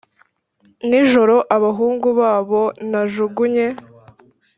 nijoro abahungu babo najugunye;